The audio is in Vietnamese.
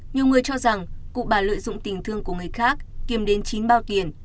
nhiều người cho rằng cụ bà lợi dụng tình thương của người khác kiểm đến chín bao tiền